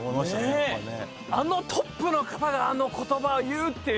やっぱねあのトップの方があの言葉を言うっていう